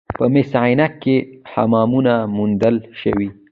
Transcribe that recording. په مس عینک کې حمامونه موندل شوي